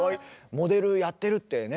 モデルやってるってね